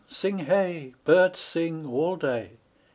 Sing hey! Birds sing All day.